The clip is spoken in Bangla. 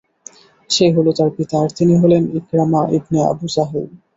সে হল তার পিতা আর তিনি হলেন ইকরামা ইবনে আবু জাহল।